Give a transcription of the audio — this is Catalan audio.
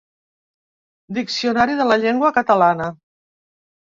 Diccionari de la Llengua Catalana.